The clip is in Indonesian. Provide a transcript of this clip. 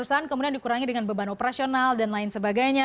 perusahaan kemudian dikurangi dengan beban operasional dan lain sebagainya